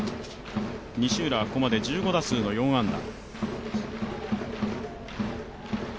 西浦はここまで１５打数の４安打。